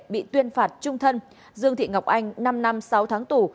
bị tuyên phạt trung thân dương thị ngọc anh năm năm sáu tháng tù